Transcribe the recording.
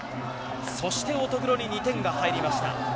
そして乙黒に２点が入りました。